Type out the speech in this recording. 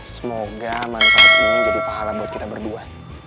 semoga manfaat ini jadi pahala buat kita berdua